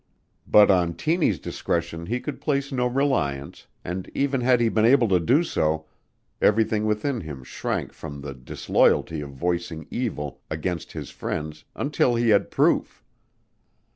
But on Tiny's discretion he could place no reliance and even had he been able to do so, everything within him shrank from the disloyalty of voicing evil against his friends until he had proof.